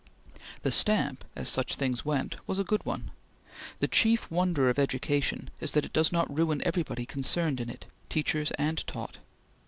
The stamp, as such things went, was a good one. The chief wonder of education is that it does not ruin everybody concerned in it, teachers and taught.